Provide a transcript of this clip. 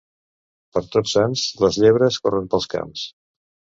Per Tots Sants les llebres corren pels camps.